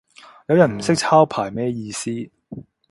有人唔識抄牌咩意思